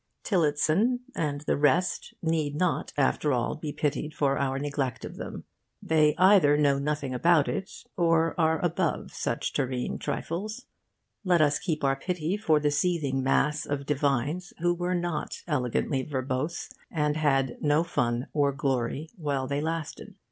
Tillotson and the rest need not, after all, be pitied for our neglect of them. They either know nothing about it, or are above such terrene trifles. Let us keep our pity for the seething mass of divines who were not elegantly verbose, and had no fun or glory while they lasted.